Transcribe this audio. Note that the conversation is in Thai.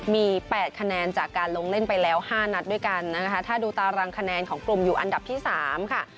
มี๘คะแนนจากการลงเล่นไปแล้ว๕นัดด้วยกันนะคะถ้าดูตารางคะแนนของกลุ่มอยู่อันดับที่๓ค่ะ